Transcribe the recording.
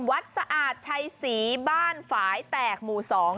สะอาดชัยศรีบ้านฝ่ายแตกหมู่สอง